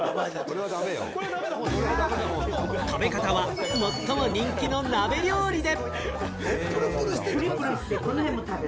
食べ方は最も人気の鍋料理で！